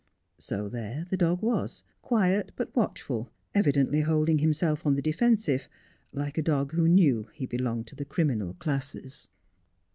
So there the dog was, quiet but watchful, evidently holding himself on the defensive, like a dog who knew he belonged to the criminal classes.